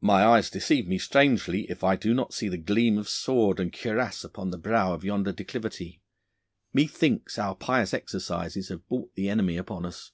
'My eyes deceive me strangely if I do not see the gleam of sword and cuirass upon the brow of yonder declivity. Methinks our pious exercises have brought the enemy upon us.